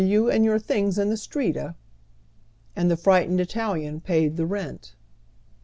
23 me, I fira you and your things in the streets.' " And the frightened Italian paid the rent.